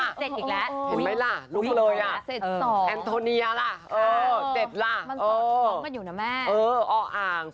อุ๊ยเสร็จอีกแล้วเห็นไหมล่ะลุกเลยอ่ะ